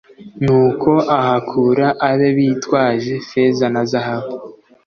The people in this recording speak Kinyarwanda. nuko ahakura abe bitwaje feza na zahabu